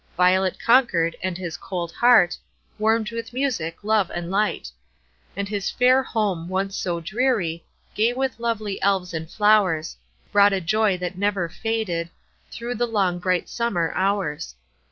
Violet conquered, and his cold heart Warmed with music, love, and light; And his fair home, once so dreary, Gay with lovely Elves and flowers, Brought a joy that never faded Through the long bright summer hours.